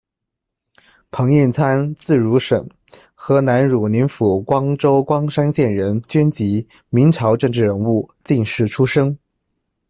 彭应参，字汝省，河南汝宁府光州光山县人，军籍，明朝政治人物、进士出身。